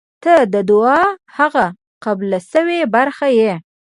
• ته د دعا هغه قبل شوې برخه یې.